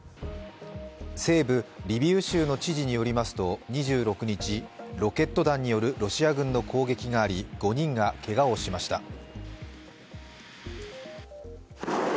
西部リビウ州の知事によりますと２６日ロケット弾によるロシア軍の攻撃があり、５人がけがをしました。